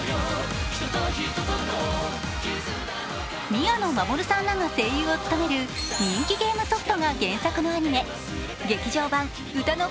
宮野真守さんらが声優を務める人気ゲームソフトが原作のアニメ、「劇場版うたの☆